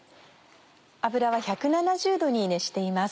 油は１７０℃に熱しています。